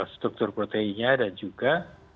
struktur proteinnya dan juga